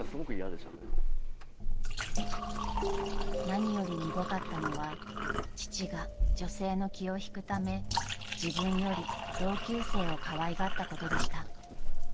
［何よりむごかったのは父が女性の気を引くため自分より同級生をかわいがったことでした］